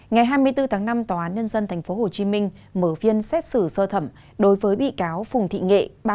ngày hai mươi bốn tháng năm tòa án nhân dân tp hcm mở phiên xét xử sơ thẩm đối với bị cáo phùng thị nghệ